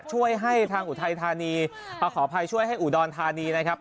ช่วยให้ทางอุทัยธานีขออภัยช่วยให้อุดรธานีนะครับ